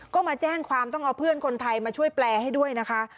ก็มาแจ้งความต้องเอาเพื่อนคนไทยมาช่วยแปลให้ด้วยนะคะ